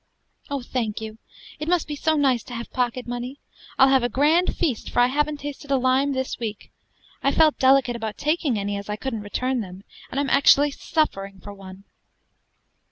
"Oh, thank you! it must be so nice to have pocket money. I'll have a grand feast, for I haven't tasted a lime this week. I felt delicate about taking any, as I couldn't return them, and I'm actually suffering for one."